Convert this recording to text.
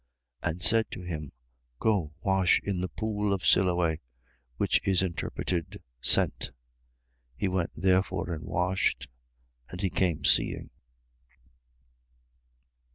And said to him: Go, wash in the pool of Siloe, which is interpreted, Sent. He went therefore and washed: and he came seeing.